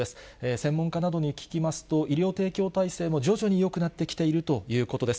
専門家などに聞きますと、医療提供体制も徐々によくなってきているということです。